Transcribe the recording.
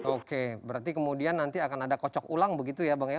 oke berarti kemudian nanti akan ada kocok ulang begitu ya bang ya